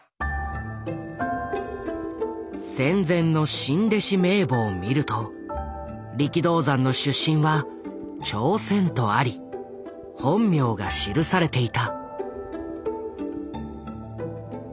戦前の新弟子名簿を見ると力道山の出身は朝鮮とあり本名が記されていた。